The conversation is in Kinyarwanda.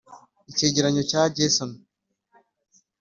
icyegeranyo cya gersony.